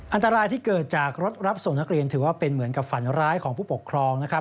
อันตรายที่เกิดจากรถรับส่งนักเรียนถือว่าเป็นเหมือนกับฝันร้ายของผู้ปกครองนะครับ